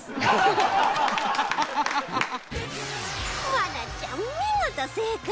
愛菜ちゃん見事正解！